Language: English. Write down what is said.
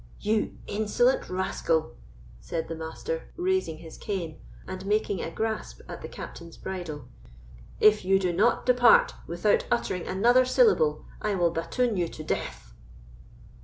"You insolent rascal," said the Master, raising his cane, and making a grasp at the Captain's bridle, "if you do not depart without uttering another syllable, I will batoon you to death!"